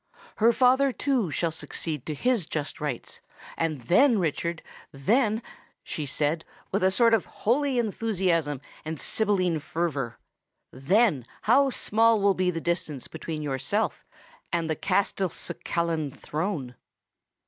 Her father, too, shall succeed to his just rights; and then, Richard, then—" she said, with a sort of holy enthusiasm and sybilline fervour,—"then how small will be the distance between yourself and the Castelcicalan throne!"